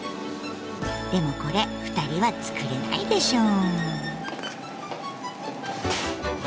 でもこれ二人は作れないでしょう。